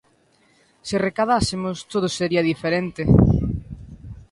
Se recadásemos, todo sería diferente.